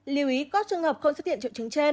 lưu ý các trường hợp không xuất hiện triệu chứng trên